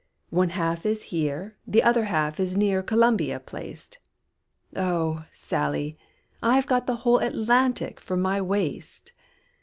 "One half is here, the other half Is near Columbia placed; Oh! Sally, I have got the whole Atlantic for my waist.